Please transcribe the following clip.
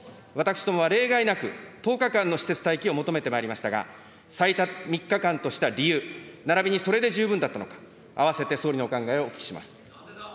私どもは例外なく、１０日間の施設待機を求めてまいりましたが、最短３日間とした理由、ならびにそれで十分だったのか、併せて総理のお考えをお聞きします。